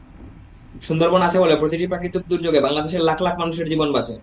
সুন্দরবন আছে বলে প্রতিটি প্রাকৃতিক দুর্যোগে বাংলাদেশের লাখ লাখ মানুষের জীবন বাঁচে।